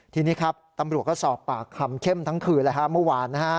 ทีนี้ครับตำรวจก็สอบปากคำเข้มทั้งคืนเมื่อวานนะฮะ